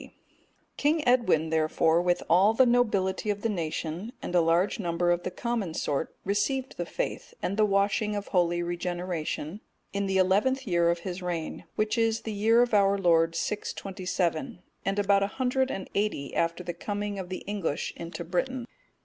D.] King Edwin, therefore, with all the nobility of the nation, and a large number of the common sort, received the faith, and the washing of holy regeneration, in the eleventh year of his reign, which is the year of our Lord 627, and about one hundred and eighty after the coming of the English into Britain.